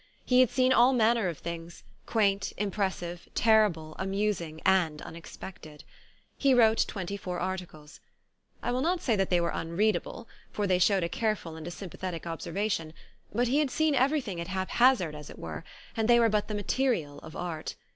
He had seen all manner of things, quaint, impres sive, terrible, amusing, and unexpected. He wrote twenty four articles. I will not say that they were unreadable, for they showed a careful and a sympathetic observation ; but he had seen every thing at haphazard, as it were, and they were but the material of art.